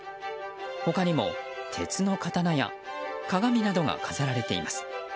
他にも鉄の刀や鏡などが飾られています。